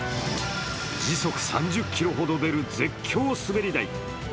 時速３０キロほど出る絶叫滑り台。